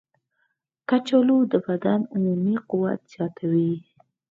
کچالو د بدن عمومي قوت زیاتوي.